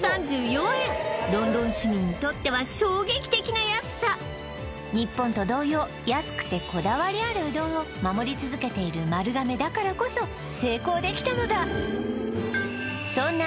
ロンドン市民にとっては衝撃的な安さ日本と同様安くてこだわりあるうどんを守り続けている丸亀だからこそ成功できたのだそんな